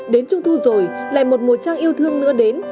đến trung thu rồi lại một mùa trang yêu thương nữa đến